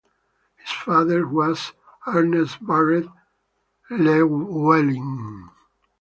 His father was Ernest Barrett Llewellyn.